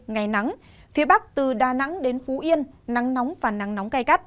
ngày nắng phía bắc từ đà nẵng đến phú yên nắng nóng và nắng nóng gai gắt